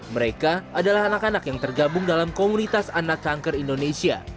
mereka adalah anak anak yang tergabung dalam komunitas anak kanker indonesia